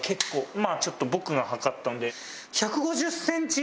まあちょっと僕が測ったんで。